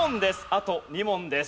あと２問です。